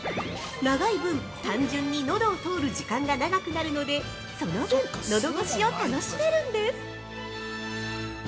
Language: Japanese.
長い分、単純にのどを通る時間が長くなるので、その分のどごしを楽しめるんです。